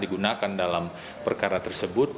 digunakan dalam perkara tersebut